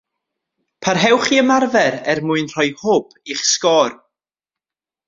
Parhewch i ymarfer er mwyn rhoi hwb i'ch sgôr